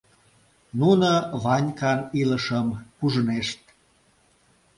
Нуно Ванькан илышым пужынешт.